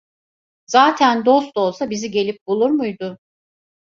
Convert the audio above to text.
Zaten dost olsa bizi gelip bulur muydu?